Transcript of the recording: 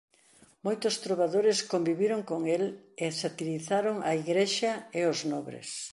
Moitos trobadores conviviron con el e satirizaron a igrexa e os nobres.